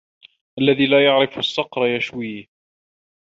الذي لا يعرف الصقر يشويه